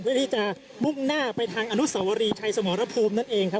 เพื่อที่จะมุ่งหน้าไปทางอนุสวรีชัยสมรภูมินั่นเองครับ